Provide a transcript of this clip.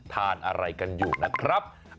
ทานอะไรกันอยู่นะครับ